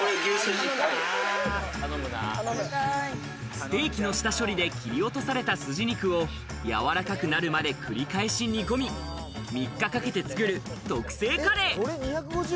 ステーキの下処理で切り落とされたスジ肉をやわらかくなるまで繰り返し煮込み、３日かけて作る特製カレー。